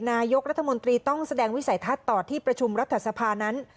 นายกรัฐมนตรีต้องแสดงวิสัยทัศน์ต่อที่ประชุมรัฐสภานั้น